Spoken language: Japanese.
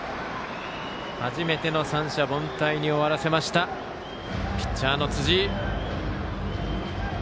初めての三者凡退に終わらせましたピッチャーの辻井。